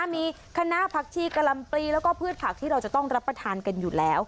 มีคณะผักชีกะลำปลีแล้วก็พืชผักที่เราจะต้องรับประทานกันอยู่แล้ว